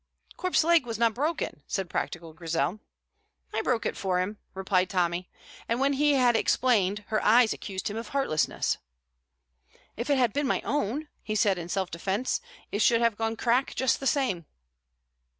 "Corp's leg was not broken," said practical Grizel. "I broke it for him," replied Tommy; and when he had explained, her eyes accused him of heartlessness. "If it had been my own," he said, in self defence, "it should have gone crack just the same."